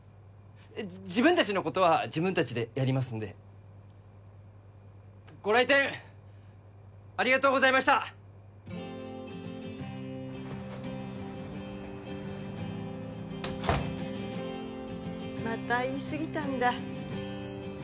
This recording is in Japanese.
自分達のことは自分達でやりますんでご来店ありがとうございましたまた言いすぎたんだ